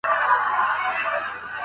آیا جشنونه تر غمونو ډېر خلګ راټولوي؟